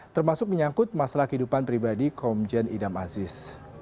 termasuk menyangkut masalah kehidupan pribadi komjen idam aziz